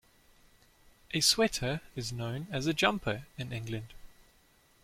A sweater is known as a jumper in England.